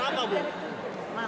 lebih lebih lebih